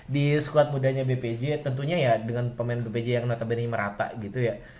di skuad mudanya bpj tentunya ya dengan pemain bpj yang notabene merata gitu ya